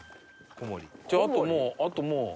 じゃああともうあともう。